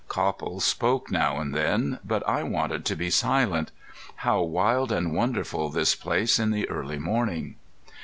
Copple spoke now and then, but I wanted to be silent. How wild and wonderful this place in the early morning!